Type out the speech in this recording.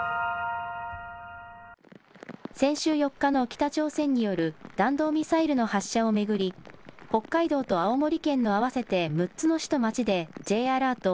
先週４日の北朝鮮による弾道ミサイルの発射を巡り、北海道と青森県の合わせて６つの市と町で、Ｊアラート